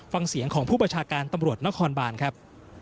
ฟังเสียงของผู้ประชาการตำรวจนครบานครับ